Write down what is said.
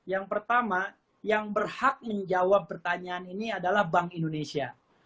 yang pertama yang berhak menjawab pertanyaan ini adalah bank indonesia